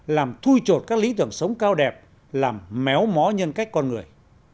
làm thui trột các lý tưởng sống cao đẹp làm méo mó nhân cách con người